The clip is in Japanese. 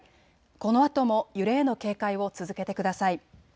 このあとも揺れへの警戒を続けてください。